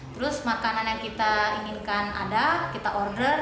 terus makanan yang kita inginkan ada kita order